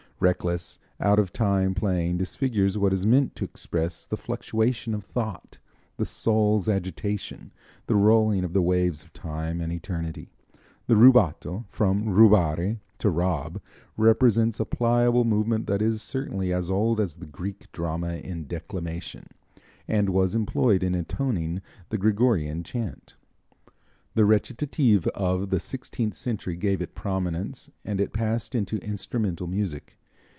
Reckless, out of time playing disfigures what is meant to express the fluctuation of thought, the soul's agitation, the rolling of the waves of time and eternity. The rubato, from rubare, to rob, represents a pliable movement that is certainly as old as the Greek drama in declamation, and was employed in intoning the Gregorian chant. The recitative of the sixteenth century gave it prominence, and it passed into instrumental music.